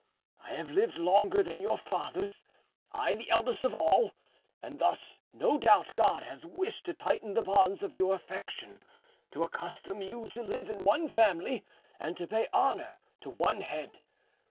I have lived longer than your fathers, I the eldest of all, and thus no doubt God has wished to tighten the bonds of your affection, to accustom you to live in one family and to pay honour to one head.